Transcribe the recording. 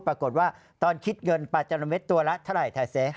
ปรากฏว่าตอนคิดเงินปลาจาระเม็ดตัวแล้วเท่าไหร่ทะเซ